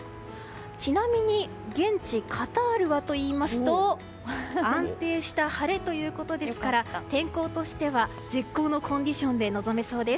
ちなみに現地カタールはといいますと安定した晴れということですから天候としては絶好のコンディションで臨めそうです。